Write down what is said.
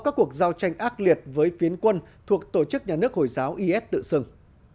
các cuộc giao tranh ác liệt với phiến quân thuộc tổ chức nhà nước hồi giáo is tự xưng